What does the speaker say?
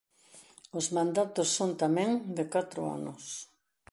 Os mandatos son tamén de catro anos.